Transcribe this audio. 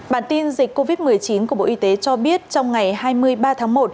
bản tin dịch covid một mươi chín của bộ y tế cho biết trong ngày hai mươi ba tháng một